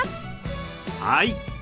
はい。